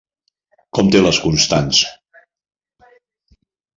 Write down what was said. Com té les constants?